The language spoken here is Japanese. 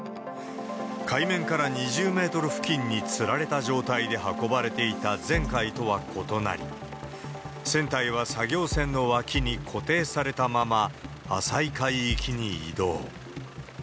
海面から２０メートル付近につられた状態で運ばれていた前回とは異なり、船体は作業船の脇に固定されたまま、浅い海域に移動。